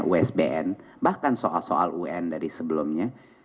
usbn bahkan soal soal un dari sebelumnya